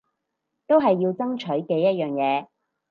都係要爭取嘅一樣嘢